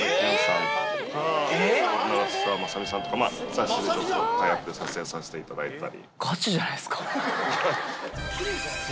雑誌でタイアップで撮影させていただいたり。